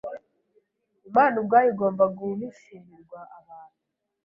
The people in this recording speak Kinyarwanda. Imana ubwayo igomba guhishurirwa abantu.